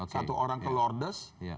satu orang ke lordes